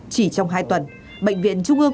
chỉ trong hai tuần bệnh viện trung ương